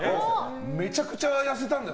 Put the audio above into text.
めちゃくちゃ痩せたんだよ